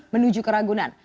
menuju ke ragunan